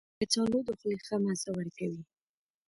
کچالو د خولې ښه مزه ورکوي